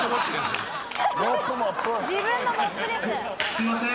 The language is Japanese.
すいません。